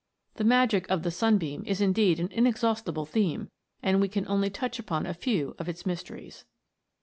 The Magic of the Sunbeam is indeed an inexhaustible theme, and we can only touch upon a few of its mysteries.